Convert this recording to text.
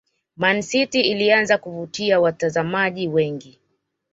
Man city ilianza kuvutia watazamaji wengi